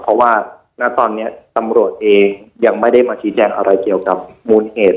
เพราะว่าณตอนนี้ตำรวจเองยังไม่ได้มาชี้แจงอะไรเกี่ยวกับมูลเหตุ